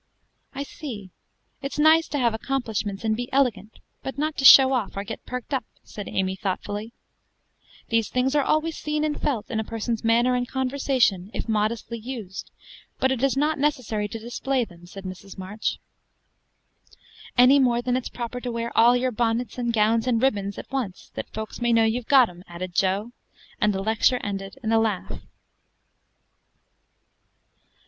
"I see: it's nice to have accomplishments, and be elegant, but not to show off, or get perked up," said Amy thoughtfully. "These things are always seen and felt in a person's manner and conversation, if modestly used; but it is not necessary to display them," said Mrs. March. "Any more than it's proper to wear all your bonnets, and gowns and ribbons, at once, that folks may know you've got 'em," added Jo; and the lecture ended in a laugh.